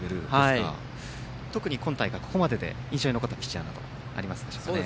特に今大会、ここまでで印象に残ったピッチャーはありますでしょうか。